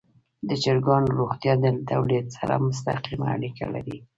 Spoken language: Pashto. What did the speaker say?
د چرګانو روغتیا د تولید سره مستقیمه اړیکه لري.